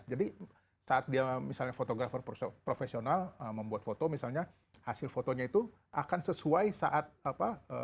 jadi saat dia misalnya fotografer profesional membuat foto misalnya hasil fotonya itu akan sesuai saat apa